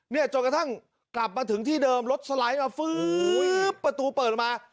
เนี้ยจนกระทั่งกลับมาถึงที่เดิมรถสไลด์มาประตูเปิดลงมา